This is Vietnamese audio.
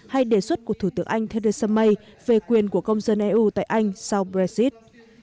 hay đề xuất của thủ tướng anh theresa may về quyền của công dân eu tại anh sau brexit